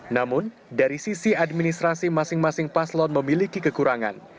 namun dari sisi administrasi masing masing paslon memiliki kekurangan